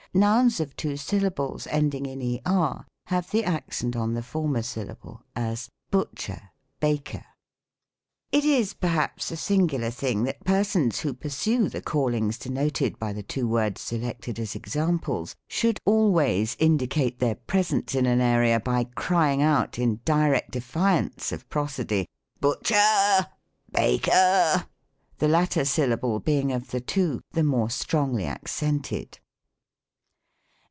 Nouns of two syllables ending in er, have the accent on the former syllable: as, "Butcher, bilker." It is, perhaps, a singular thing, that persons who pursue the callings denoted by the two words selected as examples, should always indicate their presence at m area by crying out, in direct defiance of Prosody, "But cher, ba ker;" the latter syllable being of the two the more strongly accented.